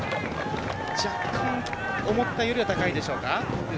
若干思ったよりは高いでしょうか。